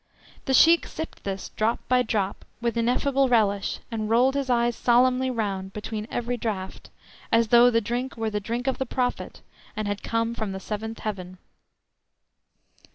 The Sheik sipped this, drop by drop, with ineffable relish, and rolled his eyes solemnly round between every draught, as though the drink were the drink of the Prophet, and had come from the seventh heaven.